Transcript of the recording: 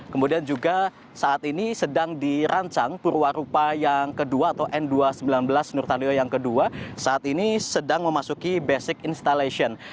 kemudian juga saat ini sedang dirancang purwarupa yang kedua atau n dua ratus sembilan belas nurtalio yang kedua saat ini sedang memasuki basic instalation